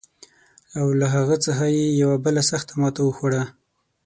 او له هغه څخه یې یوه بله سخته ماته وخوړه.